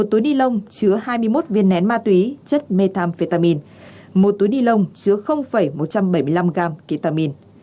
một túi nilon chứa hai mươi một viên nén ma túy chất methamphetamine một túi nilon chứa một trăm bảy mươi năm gam ketamine